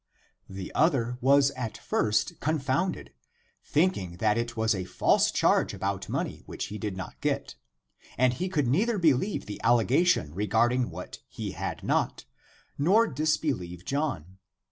The other was at first confounded, thinking that it was a false charge about money which he did not get ; and he could neither believe the allegation regarding what he had not, nor dis believe John.